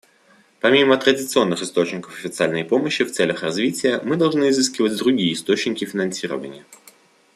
Помимо традиционных источников официальной помощи в целях развития, мы должны изыскивать другие источники финансирования.